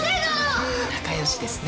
仲良しですね。